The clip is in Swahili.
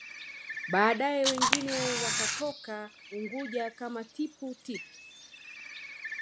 Baadae wengine wakatoka Unguja kama Tippu Tip